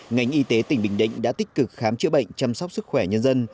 ngành y tế tỉnh bình định đã tích cực khám chữa bệnh chăm sóc sức khỏe nhân dân